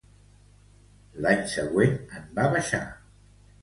L'any següent, en va baixar.